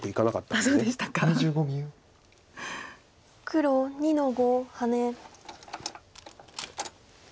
黒２の五ハネ。